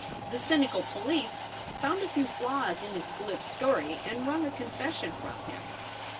The cynical police found a few flaws in his glib story and wrung a confession from him.